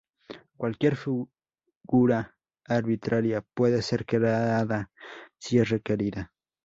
Cualquier figura arbitraria puede ser creada si es requerida.